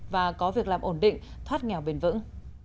và có việc làm ổn định thoát nghèo bền vững